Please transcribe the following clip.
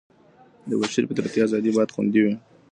د بشر فطرتي ازادي بايد خوندي وي.